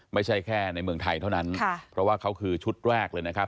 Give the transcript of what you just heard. ไม่ใช่แค่ในเมืองไทยเท่านั้นค่ะเพราะว่าเขาคือชุดแรกเลยนะครับ